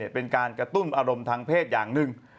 เป็นการกระตุ้นอารมณ์ทางเพศอย่างหนึ่ง